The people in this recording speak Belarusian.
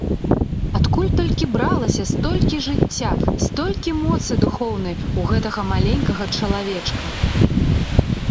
Адкуль толькі бралася столькі жыцця, столькі моцы духоўнай у гэтага маленькага чалавечка!